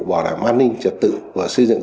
bảo đảm an ninh trật tự và xây dựng